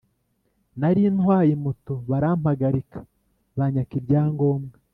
Nari ntwaye moto barampagarika banyaka ibyangombwa,